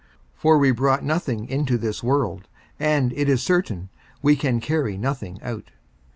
54:006:007 For we brought nothing into this world, and it is certain we can carry nothing out.